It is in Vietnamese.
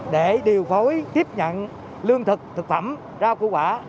để điều phối tiếp nhận lương thực thực phẩm rau củ quả